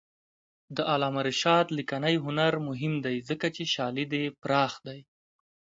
د علامه رشاد لیکنی هنر مهم دی ځکه چې شالید پراخ دی.